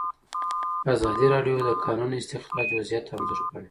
ازادي راډیو د د کانونو استخراج وضعیت انځور کړی.